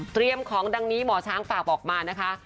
ของดังนี้หมอช้างฝากบอกมานะคะ